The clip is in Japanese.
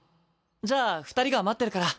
じゃあ二人が待ってるから。